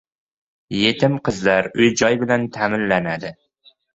Yetim qizlar uy-joy bilan ta'minlanadi